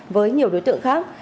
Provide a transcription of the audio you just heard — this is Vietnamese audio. với nhiều đối tượng khác